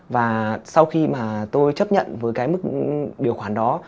và sau khi mà tôi chấp nhận với cái mức điều khoản đó